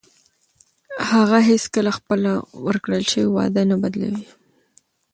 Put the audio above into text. هغه هیڅکله خپله ورکړل شوې وعده نه بدلوي.